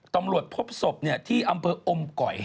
ตำรวจพบศพที่อำเภออมก่อย